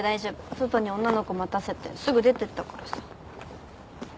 外に女の子待たせてすぐ出てったからさ。